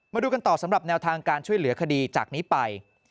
มาดูกันต่อสำหรับแนวทางการช่วยเหลือคดีจากนี้ไป